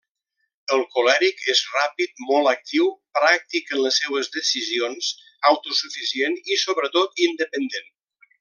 El colèric és ràpid, molt actiu, pràctic en les seues decisions, autosuficient i sobretot independent.